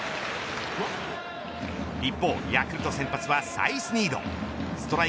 一方、ヤクルト先発はサイスニード。